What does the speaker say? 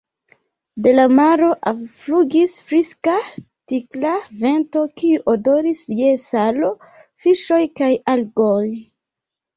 De la maro alflugis friska, tikla vento, kiu odoris je salo, fiŝoj kaj algoj.